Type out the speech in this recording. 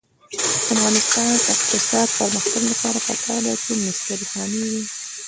د افغانستان د اقتصادي پرمختګ لپاره پکار ده چې مستري خانې وي.